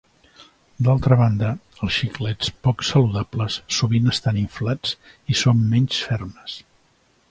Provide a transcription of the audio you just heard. D'altra banda, els xiclets poc saludables sovint estan inflats i són menys fermes.